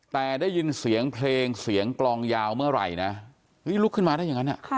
แต่ได้ยินเสียงเพลงเสียงกลองยาวเมื่อไหร่นะลุกขึ้นมาได้อย่างนั้น